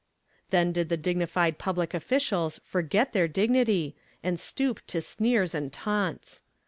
" Then did the dignified public officials forget their dignity, and stoop to sneers and taunts.